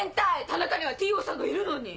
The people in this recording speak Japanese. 田中にはＴ・Ｏさんがいるのに。